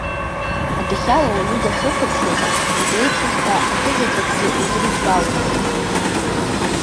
Адәахьала уаҩы дахьрыхәаԥшуаз, излеиԥшыз ҳәа акызаҵәыкгьы узрыдбаломызт.